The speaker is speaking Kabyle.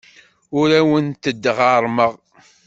Ur awent-d-ɣerrmeɣ.